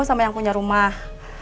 sama yang punya rumah